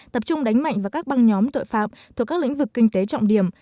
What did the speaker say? tập trung đánh mạnh vào các băng nhóm tội phạm thuộc các lĩnh vực kinh tế trọng điểm